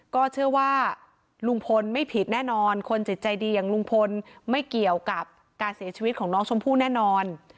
ก็เชื่อว่าลุงพลไม่ผิดแน่นอนคนจิตใจดีอย่างลุงพลไม่เกี่ยวกับการเสียชีวิตของน้องชมพู่แน่นอน